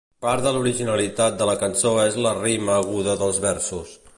Part de l'originalitat de la cançó és la rima aguda dels versos.